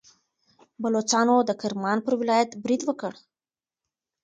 بلوڅانو د کرمان پر ولایت برید وکړ.